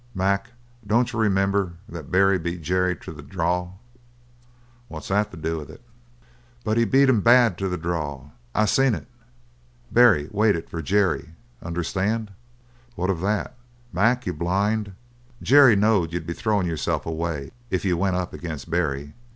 "Mac, don't you remember that Barry beat Jerry to the draw?" "What's that to do with it?" "But he beat him bad to the draw. I seen it. Barry waited for Jerry. Understand?" "What of that?" "Mac, you're blind! Jerry knowed you'd be throwing yourself away if you went up agin Barry."